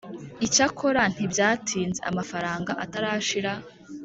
icyakora, ntibyatinze amafaranga atarashira,